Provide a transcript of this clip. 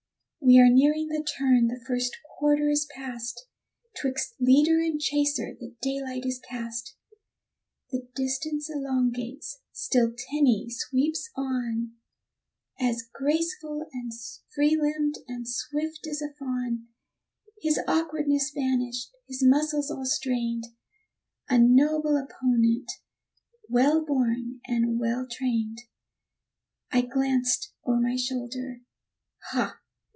We are nearing the turn, the first quarter is past 'Twixt leader and chaser the daylight is cast. The distance elongates, still Tenny sweeps on, As graceful and free limbed and swift as a fawn; His awkwardness vanished, his muscles all strained A noble opponent, well born and well trained. I glanced o'er my shoulder, ha!